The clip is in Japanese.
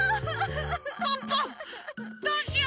ポッポどうしよう？